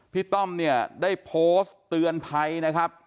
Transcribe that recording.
ต้อมเนี่ยได้โพสต์เตือนภัยนะครับ